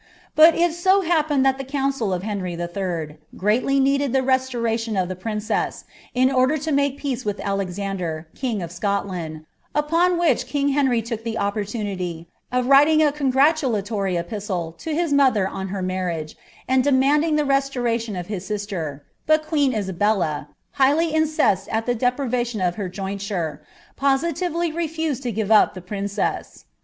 But it so happened that the council of Hr nnr lil greatly needed the resioniUon of tiie princeas. in order lo make peaH with Alexander, king of Scotland; upon which king [lenr; took llio opportunity of writing a congratulatory episde to hia muiher on hrt marriage, and demanding the restoration of his sister; but queen Isabell*i highly inceused at the deprivation of her jointure, poaitivety refuaed U give lip the princeas.